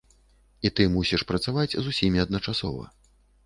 І ты мусіш працаваць з усімі адначасова.